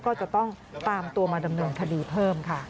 ก็จะต้องตามตัวมาดำเนินคดีเพิ่มค่ะ